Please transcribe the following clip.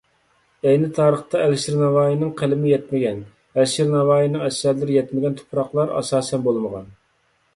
ئەينى تارىختا ئەلىشىر نەۋائىينىڭ قەلىمى يەتمىگەن، ئەلىشىر نەۋائىينىڭ ئەسەرلىرى يەتمىگەن تۇپراقلار ئاساسەن بولمىغان.